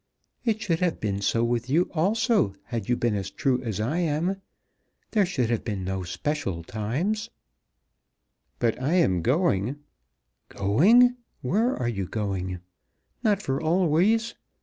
It should have been so with you also had you been as true as I am. There should have been no special times." "But I am going " "Going! Where are you going? Not for always!